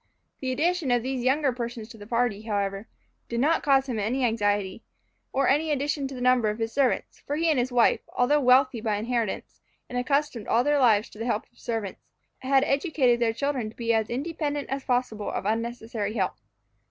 The addition of these younger persons to the party, however, did not cause him any anxiety, or any addition to the number of his servants; for he and his wife, although wealthy by inheritance, and accustomed all their lives to the help of servants, had educated their children to be as independent as possible of unnecessary help.